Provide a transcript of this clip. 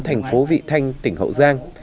thành phố vị thanh tỉnh hậu giang